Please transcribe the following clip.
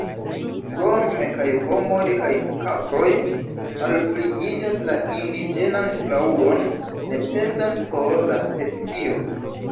Krome kaj homoj kaj kaproj malpliiĝas la indiĝenan flaŭron necesan por la specio.